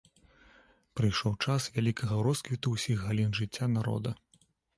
Прыйшоў час вялікага росквіту ўсіх галін жыцця народа.